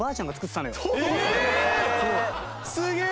すげえ！